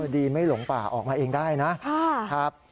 ดีไม่หลงป่าออกมาเองได้นะครับ